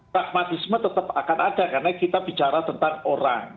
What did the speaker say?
pragmatisme tetap akan ada karena kita bicara tentang orang